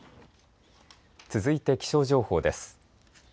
続いて気象情報です。